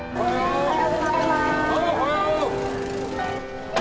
おはよう。